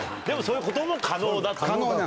でもそういうことも可能だと。